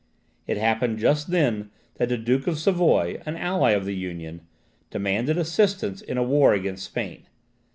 It happened just then that the Duke of Savoy, an ally of the Union, demanded assistance in a war against Spain.